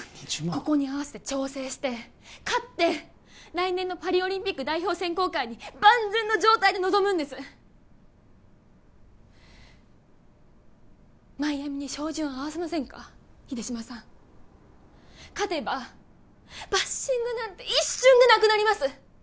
ここに合わせて調整して勝って来年のパリオリンピック代表選考会に万全の状態で臨むんですマイアミに照準を合わせませんか秀島さん勝てばバッシングなんて一瞬でなくなります